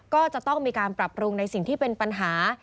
ก็จะต้องมีการปรับปรุงในสิ่งที่เป็นปัญหา